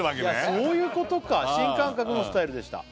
そういうことか「新感覚のスタイルでした」